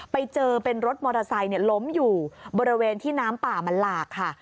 ไปเจอเป็นรถมอเตอร์ไซค์ล้มอยู่บริเวณที่น้ำป่ามันหลากค่ะ